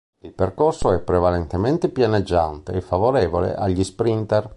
Il percorso è prevalentemente pianeggiante e favorevole agli sprinter.